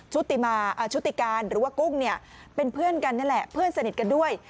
ชุติการหรือว่ากุ้งเนี่ยเป็นเพื่อนกันนั่นแหละเพื่อนสนิทกันด้วย